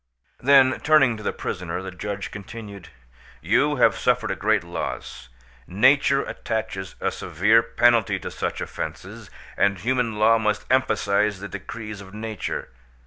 Then, turning to the prisoner, the judge continued:—"You have suffered a great loss. Nature attaches a severe penalty to such offences, and human law must emphasise the decrees of nature.